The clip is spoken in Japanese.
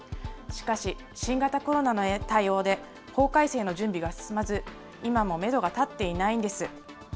しかし、新型コロナの対応で、法改正の準備が進まず、今もメドが立っていないんです。